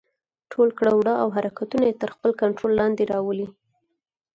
ټول کړه وړه او حرکتونه يې تر خپل کنټرول لاندې راولي.